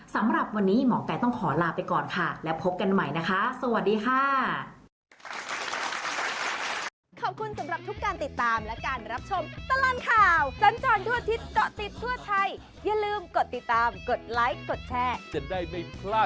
สำหรับวันนี้หมอไก่ต้องขอลาไปก่อนค่ะและพบกันใหม่นะคะสวัสดีค่ะ